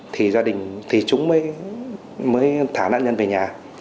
thì gia đình thì chúng mới thả nạn nhân về nhà